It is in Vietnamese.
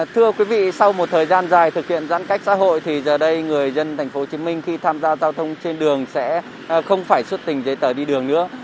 thưa quý vị sau một thời gian dài thực hiện giãn cách xã hội thì giờ đây người dân tp hcm khi tham gia giao thông trên đường sẽ không phải xuất tình giấy tờ đi đường nữa